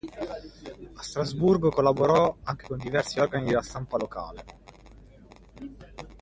A Strasburgo collaborò anche con diversi organi della stampa locale.